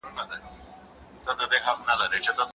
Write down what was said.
د هرات ابدالیانو د نادرافشار مخه ونيوله.